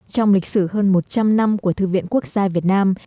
trong lịch sử hơn một trăm linh năm của thư viện quốc gia việt nam